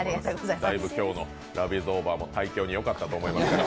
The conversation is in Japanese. だいぶ今日の「ラヴ・イズ・オーヴァー」も胎教によかったと思います。